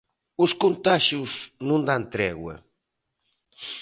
Os contaxios non dan tregua.